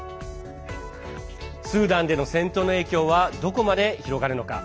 スーダンでの戦闘の影響はどこまで広がるのか。